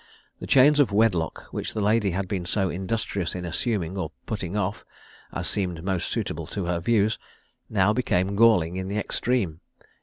The chains of wedlock, which the lady had been so industrious in assuming or putting off, as seemed most suitable to her views, now became galling in the extreme.